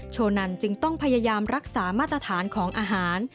โนันจึงต้องพยายามรักษามาตรฐานของอาหาร